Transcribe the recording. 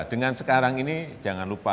dengan sekarang ini jangan lupa